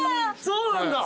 そうなんだ。